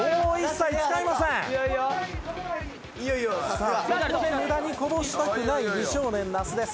さあここで無駄にこぼしたくない美少年那須です。